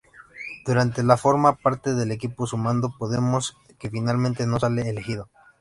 Durante la forma parte del equipo Sumando Podemos que finalmente no sale elegido.